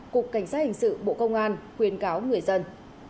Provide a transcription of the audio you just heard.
cục cảnh sát hình sự bộ công an khuyên cáo người dân